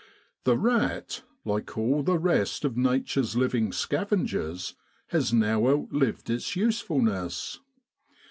The rat, like all the rest of Nature's living scavengers, has now outlived its usefulness.